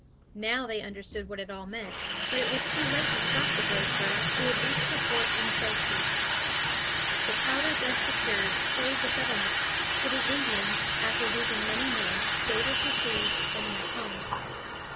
Now they understood what it all meant; but it was too late to stop the brave girl, who had reached the fort in safety. The powder thus secured saved the settlement; for the Indians, after losing many men, gave up the siege and went home.